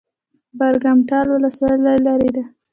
برګ مټال ولسوالۍ لیرې ده؟